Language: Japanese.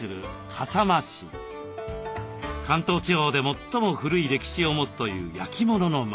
関東地方で最も古い歴史を持つという焼き物の町。